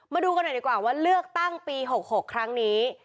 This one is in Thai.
มาดูกันหน่อยดีกว่าว่าเลือกตั้งปี๖๖ครั้งนี้